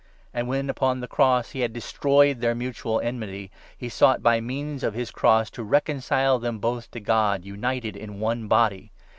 And when, upon the 16 cross, he had destroyed their mutual enmity, he sought by means of his cross to reconcile them both to God, united in one Body.